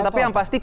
tapi yang pasti